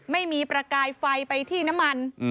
ไม่มีประกายไฟไปที่น้ำมัน